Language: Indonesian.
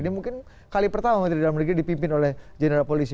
ini mungkin kali pertama menteri dalam negeri dipimpin oleh general polisi